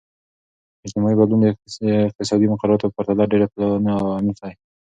اجتماعي بدلون د اقتصادي مقرراتو په پرتله ډیر پلنو او عمیق دی.